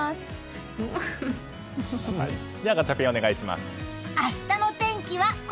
それではガチャピンお願いします。